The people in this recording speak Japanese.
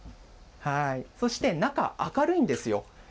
そして、中、明るいんですよ。